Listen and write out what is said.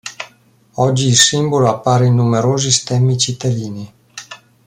Oggi, il simbolo appare in numerosi stemmi cittadini.